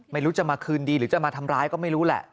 ไม่รู้จะมาคืนดีหรือจะมาทำร้ายก็ไม่รู้แหละ